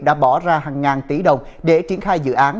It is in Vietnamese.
đã bỏ ra hàng ngàn tỷ đồng để triển khai dự án